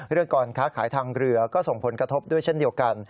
เรื่องการค้าขายทางเรือก็ส่งผลกระทบด้วยเช่นเดียวกัน